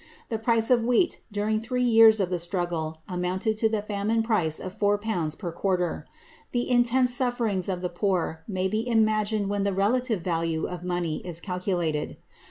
The price of wheat during three f the struggle amounted to the famine price of four pounds per — the intense sufferings of the poor may be imagined when tlie Talue of money is calculated.